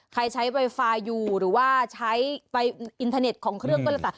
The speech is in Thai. ใช้ไฟฟ้าอยู่หรือว่าใช้ไฟอินเทอร์เน็ตของเครื่องก็แล้วแต่